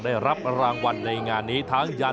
ให้รับรางวัลในงานรถทาง